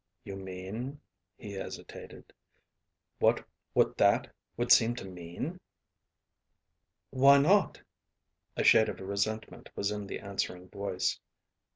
"You mean," he hesitated, "what that would seem to mean?" "Why not?" A shade of resentment was in the answering voice.